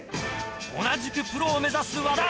同じくプロを目指す和田。